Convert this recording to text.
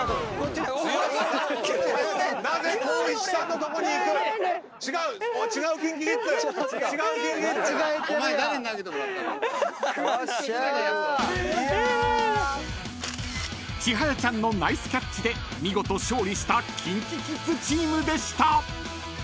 ［ちはやちゃんのナイスキャッチで見事勝利したＫｉｎＫｉＫｉｄｓチームでした］